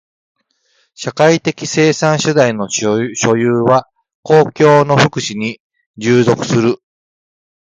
社会的生産手段の所有は公共の福祉に従属する。